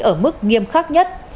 ở mức nghiêm khắc nhất